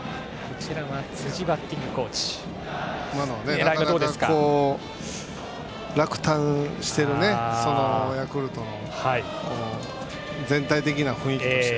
今のは落胆しているヤクルトの全体的な雰囲気として。